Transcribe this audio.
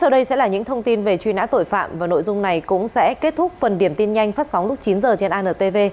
sau đây sẽ là những thông tin về truy nã tội phạm và nội dung này cũng sẽ kết thúc phần điểm tin nhanh phát sóng lúc chín h trên antv